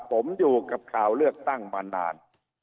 ผมอยู่กับข่าวเลือกตั้งมานาน